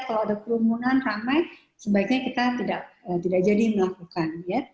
kalau ada kerumunan ramai sebaiknya kita tidak jadi melakukan